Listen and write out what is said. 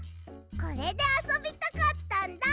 これであそびたかったんだ！